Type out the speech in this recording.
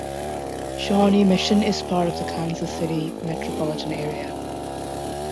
Shawnee Mission is part of the Kansas City Metropolitan Area.